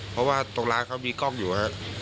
เพราะว่าตรงร้านเขามีกล้องอยู่ครับ